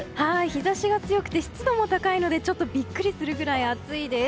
日差しが強くて湿度も高いのでちょっとビックリするぐらい暑いです。